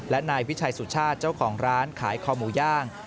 และนายวิชัยสุชาติเจ้าของร้านขายคอหมูย่าง